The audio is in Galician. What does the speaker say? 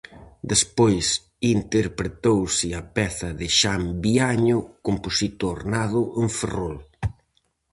Despois interpretouse a peza de Xan Viaño, compositor nado en Ferrol.